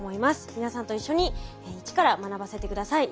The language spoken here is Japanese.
皆さんと一緒に一から学ばせて下さい。